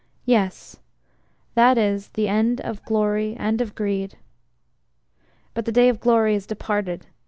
Yes, that is, the end of Glory and of Greed. But the day of glory is departed.